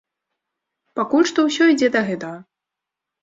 Пакуль што ўсё ідзе да гэтага.